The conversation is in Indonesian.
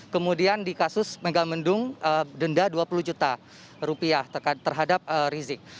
kemudian di kasus megamendung denda dua puluh juta rupiah terhadap rizik